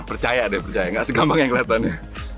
percaya deh percaya nggak segampang yang kelihatannya